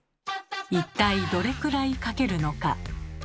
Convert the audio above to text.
一体どれくらいかけるのか。